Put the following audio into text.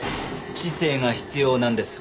知性が必要なんです